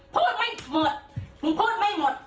พูดไม่หมดหนูพูดไม่หมด